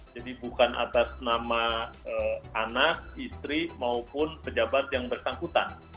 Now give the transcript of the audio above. jadi bukan atas nama anak istri maupun pejabat yang bersangkutan